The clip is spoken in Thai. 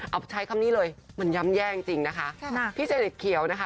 เอาใช้คำนี้เลยมันย้ำแย่จริงจริงนะคะพี่เจริดเขียวนะคะ